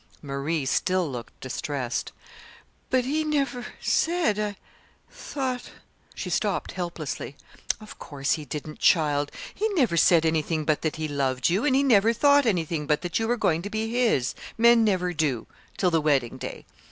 Marie still looked distressed. "But he never said I thought " She stopped helplessly. "Of course he didn't, child. He never said anything but that he loved you, and he never thought anything but that you were going to be his. Men never do till the wedding day.